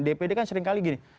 dpd kan seringkali gini